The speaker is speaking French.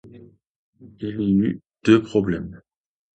Il y eut deux problèmes.